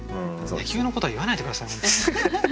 野球のことは言わないで下さい。